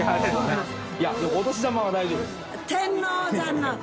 いお年玉は大丈夫です。